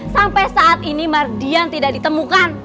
sampai saat ini mardian tidak ditemukan